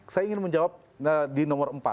saya ingin menjawab di nomor empat